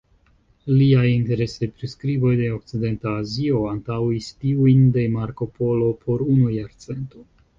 Liaj interesaj priskriboj de okcidenta Azio antaŭis tiujn de Marco Polo por unu jarcento.